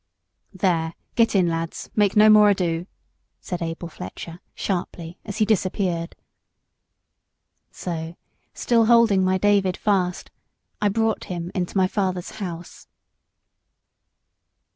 "There, get in, lads make no more ado," said Abel Fletcher, sharply, as he disappeared. So, still holding my David fast, I brought him into my father's house.